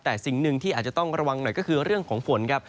แต่สิ่งหนึ่งที่อาจจะต้องระวังหน่อยก็คือเรื่องของฝนครับ